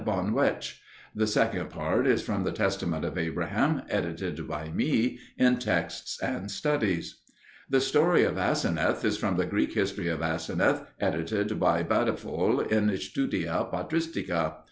Bonwetsch; the second part is from The Testament of Abraham, edited by me in Texts and Studies. The story of Aseneth is from the Greek History of Aseneth, edited by Batiffol in Studia Patristica.